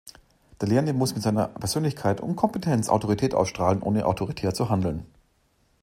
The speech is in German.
Der Lehrende muss mit seiner Persönlichkeit und Kompetenz Autorität ausstrahlen, ohne autoritär zu handeln.